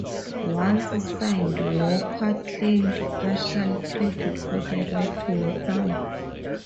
Once signed, Walker claimed partial credit for the right-to-work law.